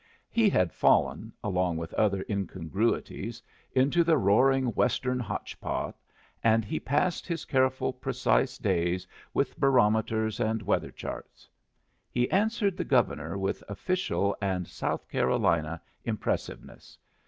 He had fallen, along with other incongruities, into the roaring Western hotch pot, and he passed his careful, precise days with barometers and weather charts. He answered the Governor with official and South Carolina impressiveness.